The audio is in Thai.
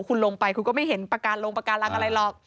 คุณลงไปคุณก็ไม่เห็นปากการลงปากการังอะไรหรอก